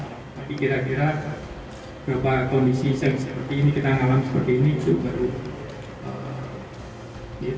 tapi kira kira beberapa kondisi yang seperti ini kita ngalamin seperti ini itu baru